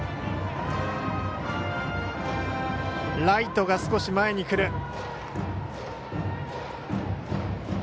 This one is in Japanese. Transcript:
ライトが少し前に来る。